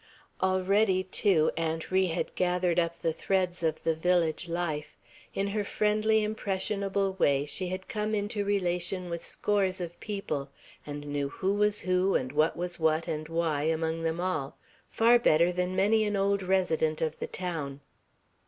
Already, too, Aunt Ri had gathered up the threads of the village life; in her friendly, impressionable way she had come into relation with scores of people, and knew who was who, and what was what, and why, among them all, far better than many an old resident of the town.